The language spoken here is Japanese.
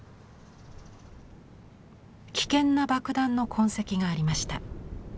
危険な爆弾の痕跡がありました。